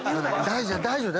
大丈夫。